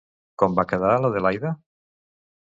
Com va quedar l'Adelaida?